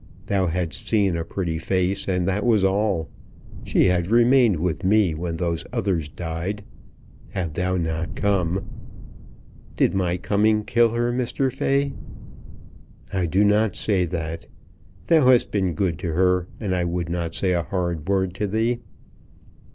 Thou hadst seen a pretty face, and that was all. She had remained with me when those others died. Had thou not come " "Did my coming kill her, Mr. Fay'?" "I do not say that. Thou hast been good to her, and I would not say a hard word to thee."